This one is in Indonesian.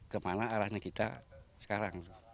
kemana arahnya kita sekarang